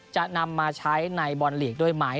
จะนำมาใช้ในบอล์นลีกด้วยมั้ย